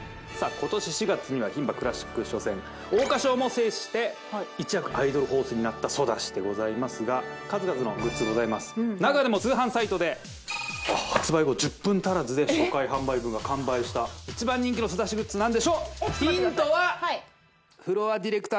今年４月には牝馬クラシック初戦桜花賞も制して一躍アイドルホースになったソダシでございますが数々のグッズございます中でも通販サイトで発売後１０分足らずで初回販売分が完売した一番人気のソダシグッズなんでしょう？